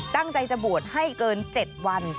ตั้งใจจะบวชให้เกิน๗วัน